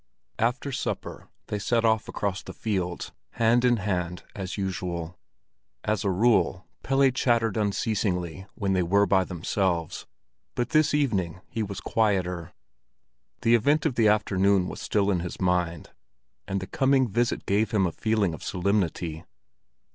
After supper they set off across the fields, hand in hand as usual. As a rule, Pelle chattered unceasingly when they were by themselves; but this evening he was quieter. The event of the afternoon was still in his mind, and the coming visit gave him a feeling of solemnity.